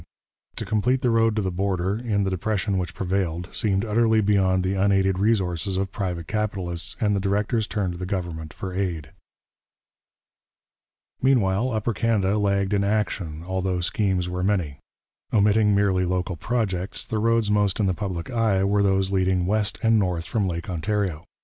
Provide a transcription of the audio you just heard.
To complete the road to the border, in the depression which prevailed, seemed utterly beyond the unaided resources of private capitalists, and the directors turned to the government for aid. Meanwhile, Upper Canada lagged in action, although schemes were many. Omitting merely local projects, the roads most in the public eye were those leading west and north from Lake Ontario.